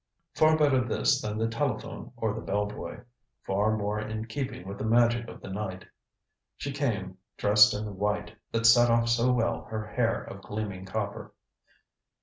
Far better this than the telephone or the bellboy. Far more in keeping with the magic of the night. She came, dressed in the white that set off so well her hair of gleaming copper.